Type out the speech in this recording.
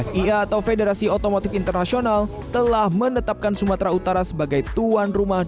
fia atau federasi otomotif internasional telah menetapkan sumatera utara sebagai tuan rumah